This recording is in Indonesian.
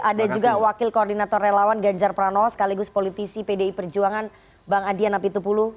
ada juga wakil koordinator relawan ganjar pranowo sekaligus politisi pdi perjuangan bang adian apitupulu